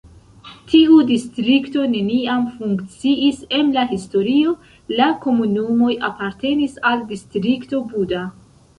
Tiu distrikto neniam funkciis em la historio, la komunumoj apartenis al Distrikto Buda.